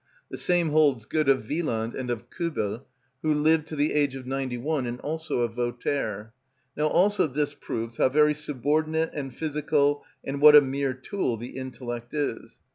The same holds good of Wieland and of Kuebel, who lived to the age of ninety one, and also of Voltaire. Now all this proves how very subordinate and physical and what a mere tool the intellect is.